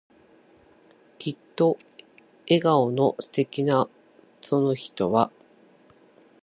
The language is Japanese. きっと笑顔の素敵なその人は、